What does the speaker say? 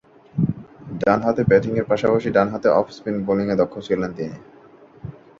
ডানহাতে ব্যাটিংয়ের পাশাপাশি ডানহাতে অফ স্পিন বোলিংয়ে দক্ষ ছিলেন তিনি।